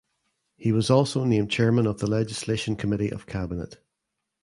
He was also named Chairman of the Legislation Committee of Cabinet.